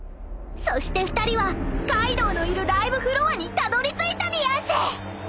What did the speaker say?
［そして２人はカイドウのいるライブフロアにたどりついたでやんす］